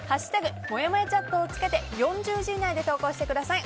「＃もやもやチャット」をつけて４０文字以内で投稿してください。